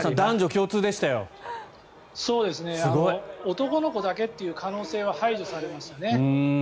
男の子だけという可能性は排除されましたね。